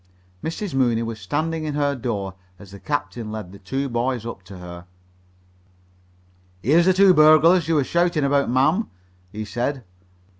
Mrs. Mooney was standing in her door as the captain led the two boys up to her. "Here's the burglars you were shouting about, ma'am," he said.